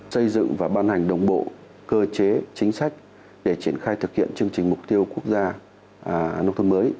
xây dựng và ban hành đồng bộ cơ chế chính sách để triển khai thực hiện chương trình mục tiêu quốc gia nông thôn mới